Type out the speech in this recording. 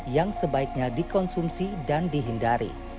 yang sebaiknya dikonsumsi dan dihindari